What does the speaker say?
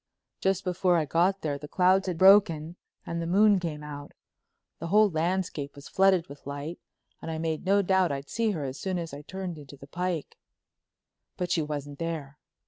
"Just before I got there the clouds had broken and the moon come out. The whole landscape was flooded with light, and I made no doubt I'd see her as soon as I turned into the pike. But she wasn't there.